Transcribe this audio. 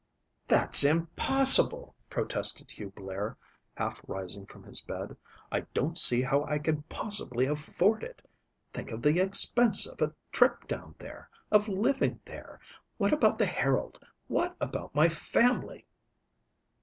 "That's impossible," protested Hugh Blair, half rising from his bed. "I don't see how I can possibly afford it. Think of the expense of a trip down there, of living there. What about the Herald? What about my family?"